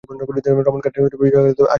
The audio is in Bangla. রমেন খাটের কাছে ফিরে এসে বললে, তবে আসি বউদি।